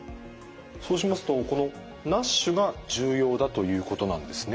そうしますとこのＮＡＳＨが重要だということなんですね。